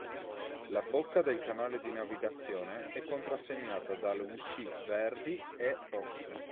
La bocca del canale di navigazione è contrassegnata da luci verdi e rosse.